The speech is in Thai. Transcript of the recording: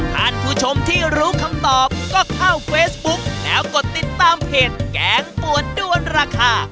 ท่านผู้ชมที่รู้คำตอบก็เข้าเฟซบุ๊กแล้วกดติดตามเพจแกงปวดด้วนราคา